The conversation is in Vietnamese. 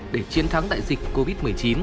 để chiến thắng đại dịch covid một mươi chín